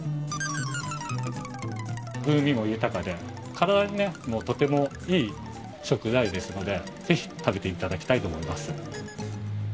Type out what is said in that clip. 風味も豊かで体にねとてもいい食材ですのでぜひ食べて頂きたいと思います。